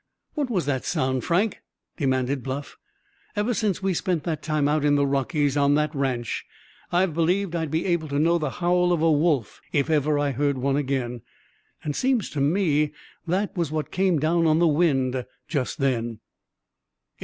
"What was that sound, Frank?" demanded Bluff. "Ever since we spent that time out in the Rockies on that ranch I've believed I'd be able to know the howl of a wolf if ever I heard one again, and seems to me that was what came down on the wind just then."